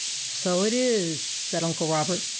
" So it is," said Uncle Robert.